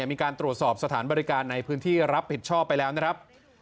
มีการตรวจสอบสถานบริการในพื้นที่รับผิดชอบไปแล้วนะครับ